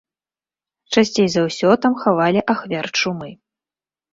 Часцей за ўсё там хавалі ахвяр чумы.